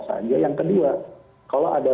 saja yang kedua kalau ada